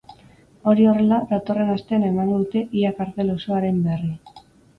Hori horrela, datorren astean emango dute ia kartel osoaren berri.